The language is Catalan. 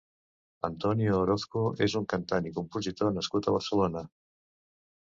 Antonio Orozco és un cantant i compositor nascut a Barcelona.